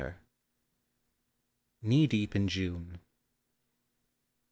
KNEE DEEP IN JUNE.